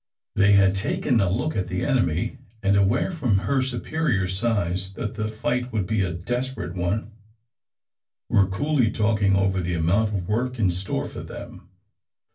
They had taken a look at the enemy, and aware from her superior size that the fight would be a desperate one, were coolly talking over the amount of work in store for them.